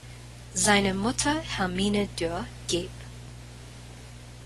Seine Mutter Hermine Dürr geb.